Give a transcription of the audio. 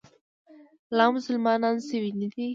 لا مسلمان شوی نه دی.